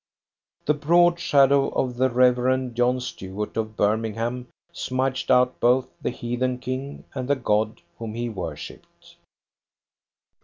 The broad shadow of the Reverend John Stuart, of Birmingham, smudged out both the heathen King and the god whom he worshipped.